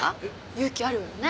勇気あるわよね。